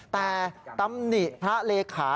แต่ตำหนิพระเลขา